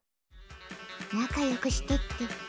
仲良くしてって。